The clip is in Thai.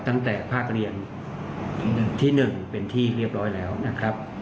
ตั้งแต่ภาคเรียนที่๑เป็นที่เรียบร้อยแล้วนะครับ